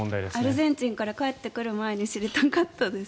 アルゼンチンから帰ってくる前に知りたかったです。